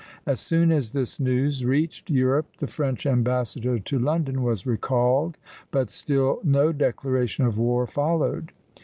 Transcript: As soon as this news reached Europe, the French ambassador to London was recalled, but still no declaration of war followed.